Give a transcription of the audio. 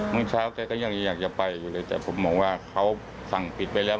เมื่อเช้าก็อยากจะไปแต่ผมบอกว่าเขาสั่งผิดไปแล้ว